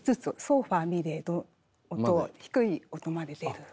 ソファミレドと低い音まで出る。